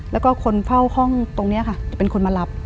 แล้วก็คนเฝ้าห้องตรงนี้ค่ะเป็นคนมารับ